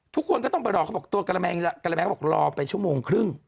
ทุกคนก็ต้องไปรอเขาบอกตัวกระแมงเขาบอกรอไปชั่วโมงครึ่ง